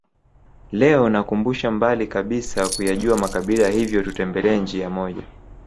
Leo nakukumbusha mbali kabisa kuyajua makabila hivyo tutembelee njia moja